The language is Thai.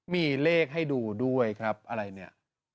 มีเลขให้ดูด้วยครับอะไรเนี่ย